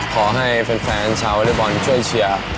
ขอให้แฟนชาวอเล็กบอลช่วยเชียร์